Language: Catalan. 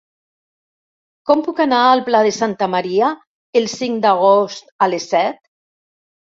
Com puc anar al Pla de Santa Maria el cinc d'agost a les set?